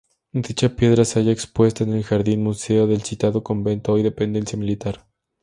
Dicha piedra se halla expuesta en el jardín-museo del citado convento, hoy dependencia militar.